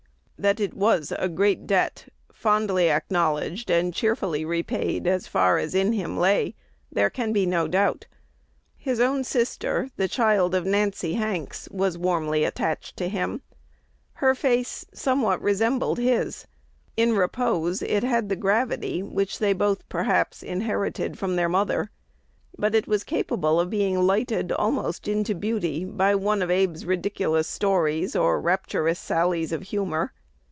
That it was a great debt, fondly acknowledged and cheerfully repaid as far as in him lay, there can be no doubt. His own sister, the child of Nancy Hanks, was warmly attached to him. Her face somewhat resembled his. In repose it had the gravity which they both, perhaps, inherited from their mother; but it was capable of being lighted almost into beauty by one of Abe's ridiculous stories or rapturous sallies of humor.